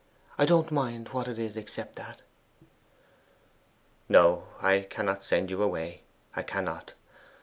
I don't mind what it is except that!' 'No, I cannot send you away: I cannot.